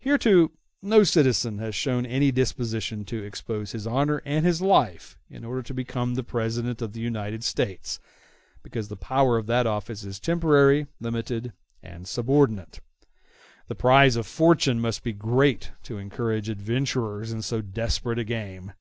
Hitherto no citizen has shown any disposition to expose his honor and his life in order to become the President of the United States; because the power of that office is temporary, limited, and subordinate. The prize of fortune must be great to encourage adventurers in so desperate a game.